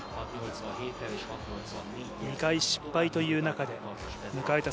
２回失敗という中で迎えた